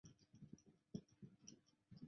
日本学士院会员。